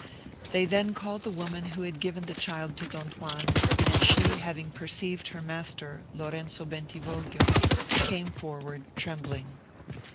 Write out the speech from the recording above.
They then called the woman who had given the child to Don Juan, and she having perceived her master, Lorenzo Bentivoglio, came forward, trembling.